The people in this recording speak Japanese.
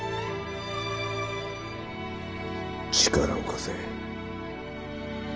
力を貸せ。